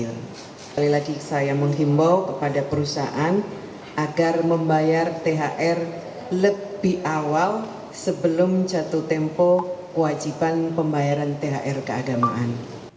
sekali lagi saya menghimbau kepada perusahaan agar membayar thr lebih awal sebelum jatuh tempo kewajiban pembayaran thr keagamaan